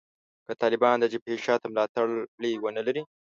که طالبان د جبهې شا ته ملاتړي ونه لري